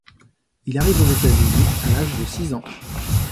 Il arrive aux États-Unis à l'âge de six ans.